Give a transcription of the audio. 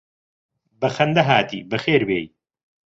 بە خەندە هاتی بەخێر بێی